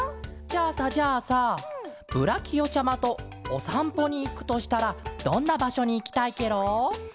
じゃあさじゃあさブラキオちゃまとおさんぽにいくとしたらどんなばしょにいきたいケロ？